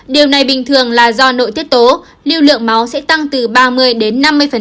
điều này bình thường là do nội tiết tố lưu lượng máu sẽ tăng từ ba mươi đến năm mươi